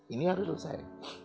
ini harus selesai